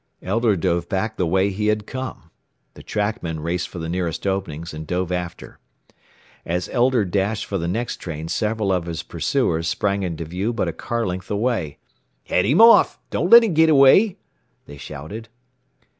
Elder dove back the way he had come. The trackmen raced for the nearest openings, and dove after. As Elder dashed for the next train several of his pursuers sprang into view but a car length away. "Head him off! Don't let him get away!" they shouted.